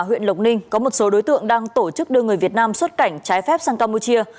huyện lộc ninh có một số đối tượng đang tổ chức đưa người việt nam xuất cảnh trái phép sang campuchia